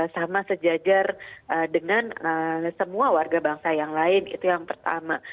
sama sejajar dengan semua warga bangsa yang lain itu yang pertama